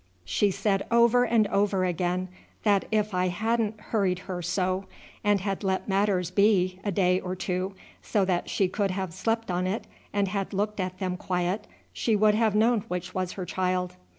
She said over and over again that if I hadn't hurried her so, and had let matters be for a day or two, so that she could have slept on it and had looked at them quiet, she would have known which was her child.